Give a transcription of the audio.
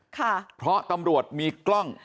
ค่ะเพราะตำรวจมีกล้อง